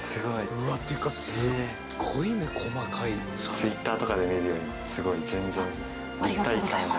Ｔｗｉｔｔｅｒとかで見るよりもすごい全然立体感が。